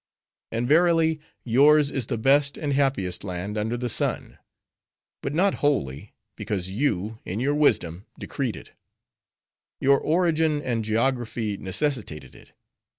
And verily, yours is the best and happiest land under the sun. But not wholly, because you, in your wisdom, decreed it: your origin and geography necessitated it.